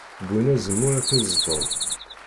Wwin azemmur ad t-id-ẓden.